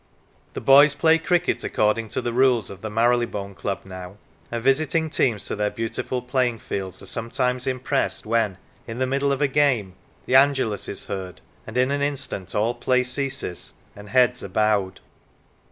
The boys play cricket according to the rules of the Marylebone Club now, and visiting teams to their beautiful playing fields are sometimes impressed when, in the middle of a game, the Angelus is heard, and in an instant all play ceases, and heads are bowed.